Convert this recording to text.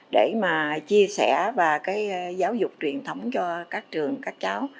để mà chia sẻ và cái giáo dục truyền thống cho các trường các cháu